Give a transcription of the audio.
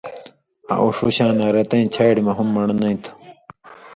آں اُو ݜُو شاناں رتَیں چھاڑیۡ مہ ہُم من٘ڑنئ تُھو۔